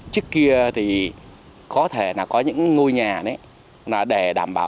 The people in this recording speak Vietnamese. trước kia thì có thể là có những ngôi nhà đấy